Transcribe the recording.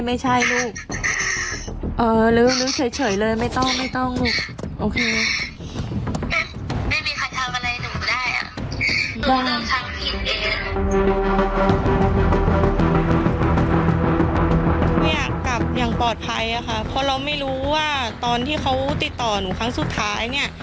ไม่อยากกลับอย่างปลอดภัยค่ะเพราะเราไม่รู้ว่าตอนที่เขาติดต่อหนูครั้งสุดท้ายเนี่ย